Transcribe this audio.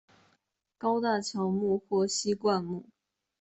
高大乔木或稀灌木。